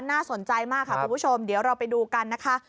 น่าสนใจมากค่ะคุณผู้ชมเดี๋ยวเราไปดูกันนะคะ